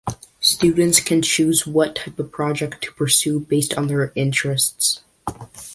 Students can choose what type of project to pursue based on their interests.